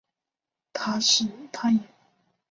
它也是是美式国际名校达卡市所在地。